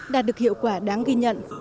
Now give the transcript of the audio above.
đạt được hiệu quả đáng ghi nhận